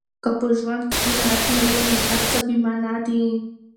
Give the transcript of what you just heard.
که په ژوند کې قناعت نه وي، نو هر څه بې مانا دي.